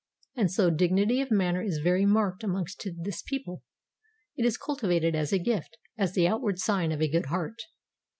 And so dignity of manner is very marked amongst this people. It is cultivated as a gift, as the outward sign of a good heart.